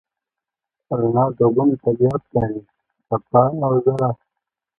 رڼا دوه ګونه طبیعت لري: څپه او ذره.